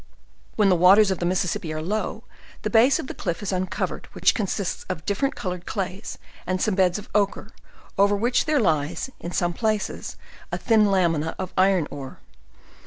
When the waters of the Mississippi are low, the base of the cliff is uncovered, which consists of different colored clays, and some beds of ochre, over which their lies, in some pla ces, a thin lamina of iron ore.